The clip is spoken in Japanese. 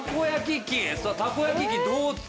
たこ焼き器。